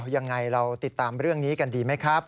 ยังไงเราติดตามเรื่องนี้กันดีไหมครับ